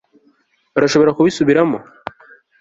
Urashobora kubisubiramo